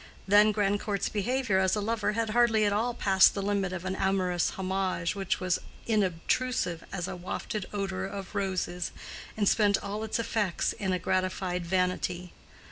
Then Grandcourt's behavior as a lover had hardly at all passed the limit of an amorous homage which was inobtrusive as a wafted odor of roses, and spent all its effects in a gratified vanity.